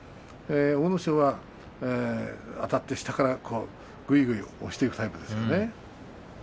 阿武咲はあたって下からぐいぐい押していくタイプですね。